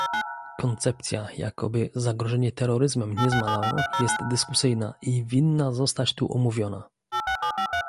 Koncepcja, jakoby zagrożenie terroryzmem nie zmalało, jest dyskusyjna i winna zostać tu omówiona